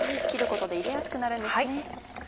切ることで入れやすくなるんですね。